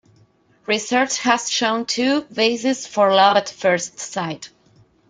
Research has shown two bases for love at first sight.